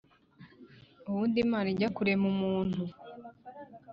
ubundi imana ijya kurema umuntu